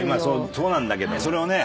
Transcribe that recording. そうなんだけどそれをね